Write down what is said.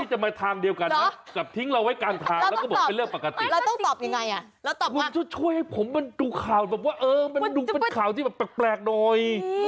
เห้ยคุณไม่เคยเห็นเลย